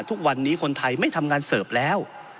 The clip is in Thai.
ทุกวันนี้คนไทยไม่ทำงานเสิร์ฟแล้ว